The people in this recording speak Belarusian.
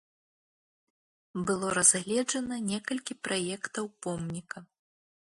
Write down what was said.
Было разгледжана некалькі праектаў помніка.